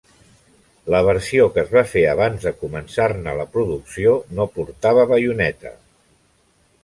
La versió que es va fer abans de començar-ne la producció no portava baioneta.